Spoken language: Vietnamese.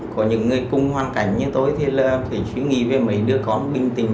có những người cùng hoàn cảnh như tôi thì là phải suy nghĩ về mấy đứa con bình tĩnh